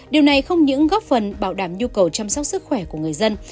điều này không những góp phần bảo đảm nhu cầu chăm sóc sức khỏe của người dân